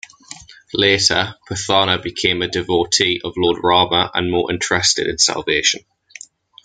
Later, Pothana became a devotee of Lord Rama and more interested in salvation.